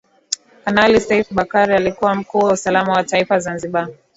Kanali Seif Bakari alikuwa Mkuu wa Usalama wa Taifa Zanzibar